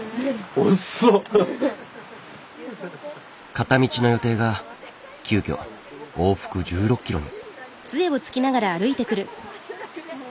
片道の予定が急きょ往復１６ｋｍに。